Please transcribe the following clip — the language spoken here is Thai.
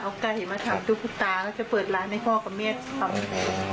เอาไก่มาทำดุคุตาจะเปิดร้านให้พ่อกับเมียดผมยีนรายได้